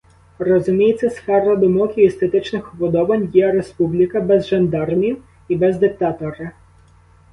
Розуміється, сфера думок і естетичних уподобань є республіка без жандармів і без диктатора.